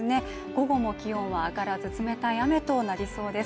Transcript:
午後も気温は上がらず冷たい雨となりそうです